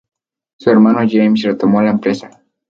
Su hermano James retomó la empresa.